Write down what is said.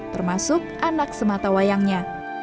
termasuk anak sematawayangnya